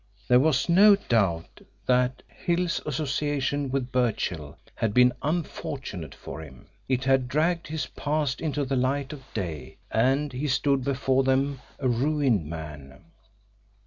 There was no doubt that Hill's association with Birchill had been unfortunate for him. It had dragged his past into the light of day, and he stood before them a ruined man.